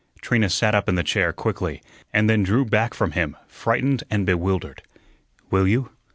Trina sat up in the chair quickly, and then drew back from him, frightened and bewildered. "Will you?